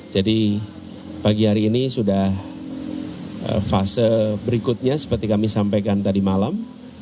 jadi pagi hari ini sudah fase berikutnya seperti kami sampaikan tadi malam